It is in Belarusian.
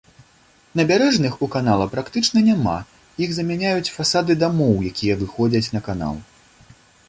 Набярэжных у канала практычна няма, іх замяняюць фасады дамоў, якія выходзяць на канал.